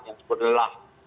yang sebut adalah